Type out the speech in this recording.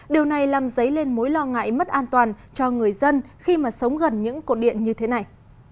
điều này làm dấy lên mối lo ngại mất an toàn cho người dân khi mà sống gần những cột điện như thế này